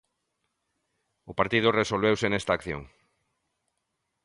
O partido resolveuse nesta acción.